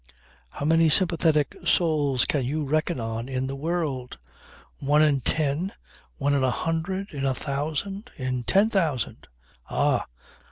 How many sympathetic souls can you reckon on in the world? One in ten, one in a hundred in a thousand in ten thousand? Ah!